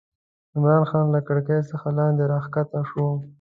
عمرا خان له کړکۍ څخه لاندې راکښته شو.